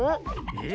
え？